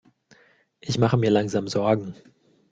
Ich mache mir langsam Sorgen.